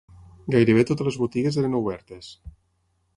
Gairebé totes les botigues eren obertes